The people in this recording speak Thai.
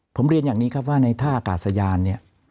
ผมเรียนอย่างนี้ครับว่าในท่าอากาศยานเนี่ย